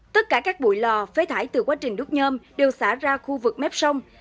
tất cả các bụi lò phế thải từ quá trình đút nhôm đều xả ra khu vực mép sông